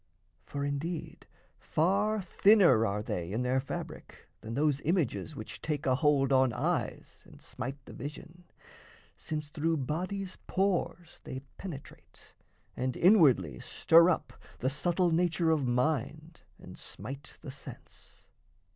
For, indeed, Far thinner are they in their fabric than Those images which take a hold on eyes And smite the vision, since through body's pores They penetrate, and inwardly stir up The subtle nature of mind and smite the sense.